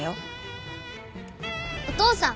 お父さん